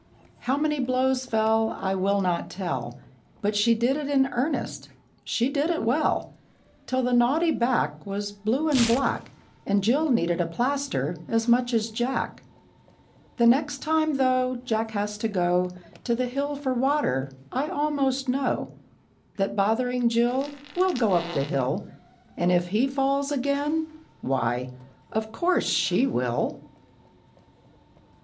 How many blows fell I will not tell, But she did it in earnest, she did it well, Till the naughty back Was blue and black, And Jill needed a plaster as much as Jack! The next time, though, Jack has to go To the hill for water, I almost know That bothering Jill Will go up the hill, And if he falls again, why, of course she will!